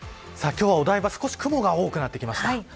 今日は、お台場少し雲が多くなってきました。